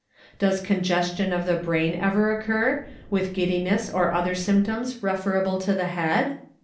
Does congestion of the brain ever occur, with giddiness or other symptoms referable to the head